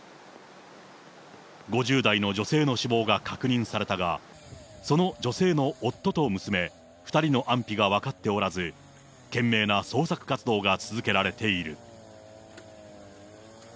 ５０代の女性の死亡が確認されたが、その女性の夫と娘、２人の安否が分かっておらず、懸命な捜索活動が続けられている。